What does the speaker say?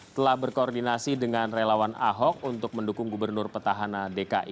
telah berkoordinasi dengan relawan ahok untuk mendukung gubernur petahana dki